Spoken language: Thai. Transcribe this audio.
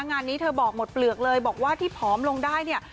งานนี้เธอบอกหมดเปลือกเลยบอกว่าที่ผอมลงได้เนี่ย